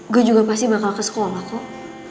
gue juga pasti bakal kesekolah kok